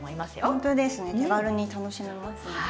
ほんとですね手軽に楽しめますね。